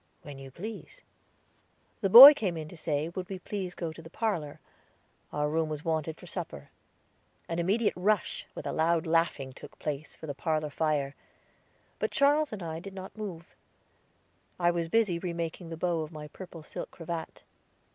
"When you please." The boy came in to say would we please go to the parlor; our room was wanted for supper. An immediate rush, with loud laughing, took place, for the parlor fire; but Charles and I did not move. I was busy remaking the bow of my purple silk cravat.